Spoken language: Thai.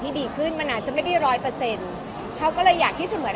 ดีขึ้นมันอาจจะไม่ได้ร้อยเปอร์เซ็นต์เขาก็เลยอยากที่จะเหมือน